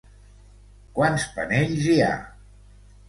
Quants panells hi ha?